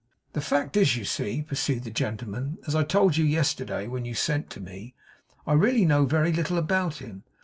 'The fact is, you see,' pursued the gentleman, 'as I told you yesterday when you sent to me, I really know very little about him.